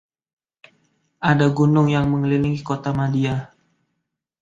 Ada gunung yang mengelilingi kotamadya.